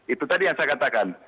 itu tadi yang saya katakan